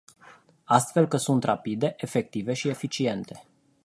Astfel că sunt rapide, efective și eficiente.